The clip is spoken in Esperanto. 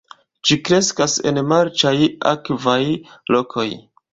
Ĝi kreskas en marĉaj, akvaj lokoj.